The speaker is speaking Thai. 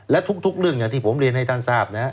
และทุกเรื่องที่ผมเรียนให้ท่านทราบ